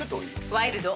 ワイルド。